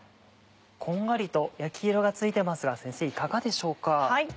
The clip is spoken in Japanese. こんがりと焼き色がついてますがいかがでしょうか？